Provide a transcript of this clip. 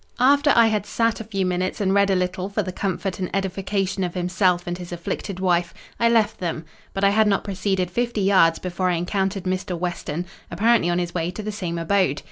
After I had sat a few minutes, and read a little for the comfort and edification of himself and his afflicted wife, I left them; but I had not proceeded fifty yards before I encountered Mr. Weston, apparently on his way to the same abode.